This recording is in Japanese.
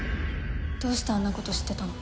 どうしてあんなこと知ってたの？